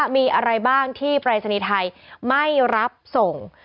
มีอะไรบ้างที่ปรายศนีย์ไทยไม่รับส่ง